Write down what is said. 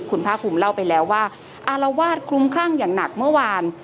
คุณภาคภูมิเล่าไปแล้วว่าอารวาสคลุ้มคลั่งอย่างหนักเมื่อวาน